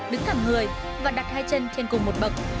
đứng thẳng người và đặt hai chân trên cùng một bậc